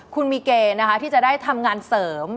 คุณมีเกณฑ์นะคะที่จะได้ทำงานเสริม